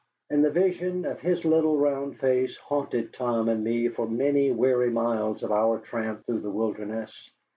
And the vision of his little, round face haunted Tom and me for many weary miles of our tramp through the wilderness.